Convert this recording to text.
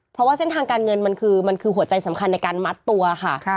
เพราะว่าเส้นทางการเงินมันคือมันคือหัวใจสำคัญในการมัดตัวค่ะ